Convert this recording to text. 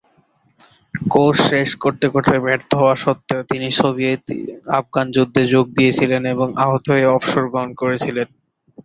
Course শেষ করতে ব্যর্থ হওয়া সত্ত্বেও; তিনি সোভিয়েত-আফগান যুদ্ধে যোগ দিয়েছিলেন এবং আহত হয়ে অবসর গ্রহণ করেছিলেন।